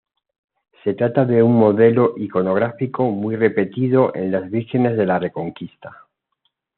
Se trata de un modelo iconográfico muy repetido en las vírgenes de la Reconquista.